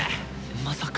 まさか。